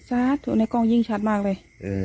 ในกล้องยิ่งชัดมากเลย